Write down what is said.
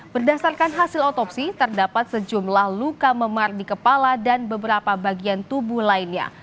berdasarkan hasil otopsi terdapat sejumlah luka memar di kepala dan beberapa bagian tubuh lainnya